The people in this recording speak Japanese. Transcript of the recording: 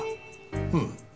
うん。